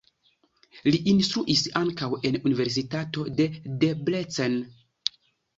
Li instruis ankaŭ en Universitato de Debrecen.